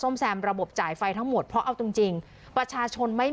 มีประชาชนในพื้นที่เขาถ่ายคลิปเอาไว้ได้ค่ะ